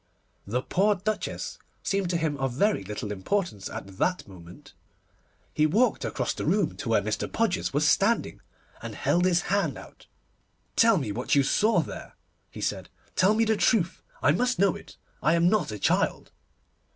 The poor Duchess seemed to him of very little importance at that moment. He walked across the room to where Mr. Podgers was standing, and held his hand out. 'Tell me what you saw there,' he said. 'Tell me the truth. I must know it. I am not a child.